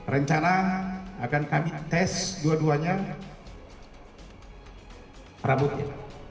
rencana akan kami tes dua duanya rambutnya